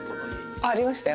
ありましたよ。